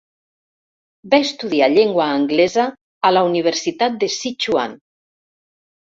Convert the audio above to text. Va estudiar llengua anglesa a la Universitat de Sichuan.